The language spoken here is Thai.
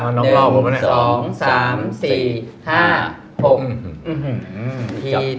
หนึ่งสองสามสี่ห้าห้ม